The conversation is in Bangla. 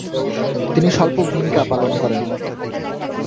তিনি স্বল্প ভূমিকা পালন করেন।